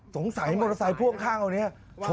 สงสัยมอเตอร์ไซค์พ่วงข้างคนนี้